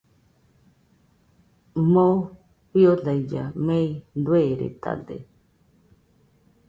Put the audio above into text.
Moo fiodailla mei dueredade